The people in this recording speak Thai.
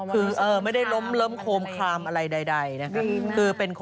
คือไม่ได้ล้มโคมคลามอะไรใดนะครับ